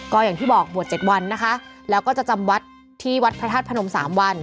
ก็อย่างที่บอกบวช๗วันนะคะแล้วก็จะจำวัดที่วัดพระธาตุพนม๓วัน